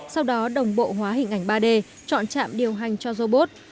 sau đó đồng bộ hóa hình ảnh ba d trọn chạm điều hành cho robot